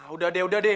udah deh udah deh